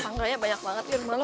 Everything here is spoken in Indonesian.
pangeran banyak banget di rumah lo